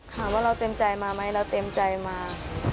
เราเต็มใจมาไหมเราเต็มใจมา